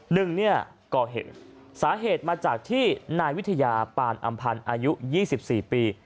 หนึ่งเนี่ยก่อเหตุสาเหตุมาจากที่นายวิทยาปานอำพันธ์อายุ๒๔ปี